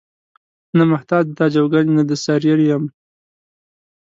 نه محتاج د تاج او ګنج نه د سریر یم.